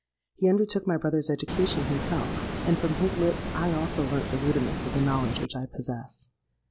He undertook my brother's education himself; and from his lips I also learnt the rudiments of the knowledge which I possess.